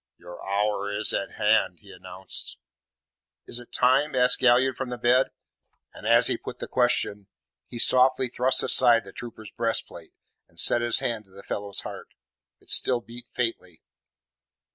"Your hour is at hand!" he announced. "Is it time?" asked Galliard from the bed. And as he put the question he softly thrust aside the trooper's breastplate, and set his hand to the fellow's heart. It still beat faintly.